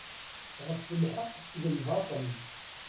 Ɣef lḥeq d lbaṭṭel.